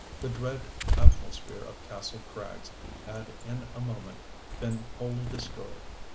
The dread atmosphere of Kastle Krags had in a moment been wholly destroyed.